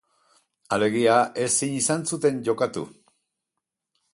Alegia, ezin izan zuen jokatu.